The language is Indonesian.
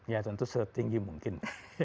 ya tentu setinggi mungkin